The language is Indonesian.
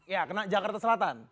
ya di jakarta selatan